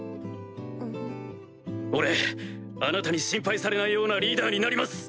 俺あなたに心配されないようなリーダーになります！